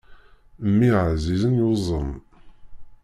Mmi ɛzizen yuẓam.